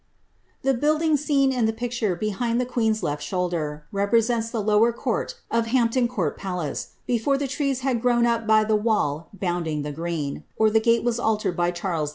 The building seen in the picture behind the queen's left shoulder, repre sents the lower court of Hampton Court Palace, before the trees had grown up' by the wall bounding the green, or the gate was altered by Charles II.